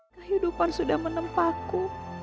kehidupan sudah menempahku